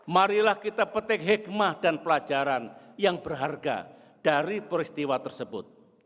marilah kita petik hikmah dan pelajaran yang berharga dari peristiwa tersebut